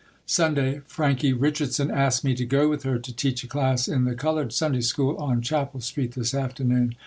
Sunday. Frankie Richardson asked me to go with her to teach a class in the colored Sunday School on Chapel Street this afternoon.